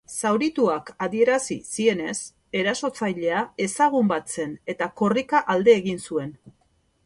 Zaurituak adierazi zienez, erasotzailea ezagun bat zen eta korrika alde egin zuen.